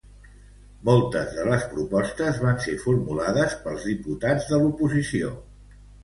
Moltes de les propostes van ser formulades pels diputats de l'oposició.